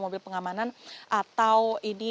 mobil pengamanan atau ini